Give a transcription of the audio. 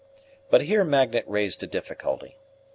But here Magnet raised a difficulty.